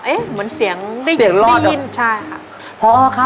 เอ๊ะเหมือนเสียงได้ยินใช่ค่ะเปลี่ยนรอดเหรอ